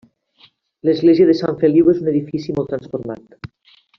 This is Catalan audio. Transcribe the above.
L'església de Sant Feliu és un edifici molt transformat.